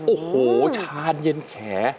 โอ้โฮชานเย็นแคร